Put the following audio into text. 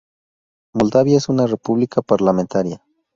Moldavia es una república parlamentaria.